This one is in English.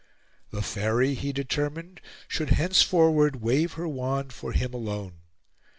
The Faery, he determined, should henceforward wave her wand for him alone.